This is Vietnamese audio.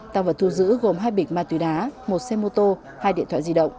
tăng vật thu giữ gồm hai bịch ma túy đá một xe mô tô hai điện thoại di động